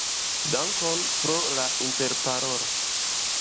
Dankon pro la interparolo.